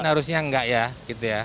harusnya enggak ya gitu ya